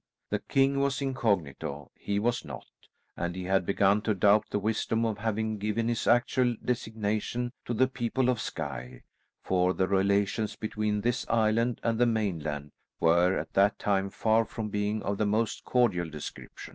The king was incognito, he was not; and he had begun to doubt the wisdom of having given his actual designation to the people of Skye, for the relations between this island and the mainland were at that time far from being of the most cordial description.